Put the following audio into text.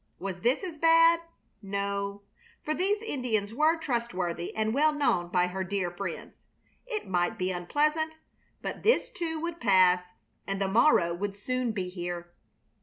Was this as bad? No, for these Indians were trustworthy and well known by her dear friends. It might be unpleasant, but this, too, would pass and the morrow would soon be here.